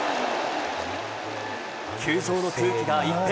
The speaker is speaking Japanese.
球場の空気が一変。